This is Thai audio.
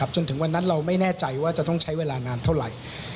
จนถึงวันนั้นเราไม่แน่ใจว่าจะต้องใช้เวลานานเท่าไหร่